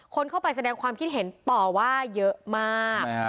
คนเข้าไปแสดงความคิดเห็นต่อว่าเยอะมาก